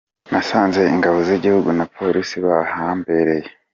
Nasanze Ingabo z’igihugu na Polisi bahambereye’.